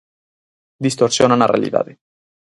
Distorsionan a realidade.